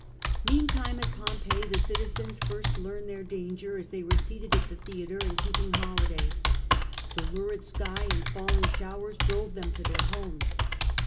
Meantime at Pompeii the citizens first learned their danger as they were seated at the theatre and keeping The scene at sky and falling showers Pompeii, drove them to their homes.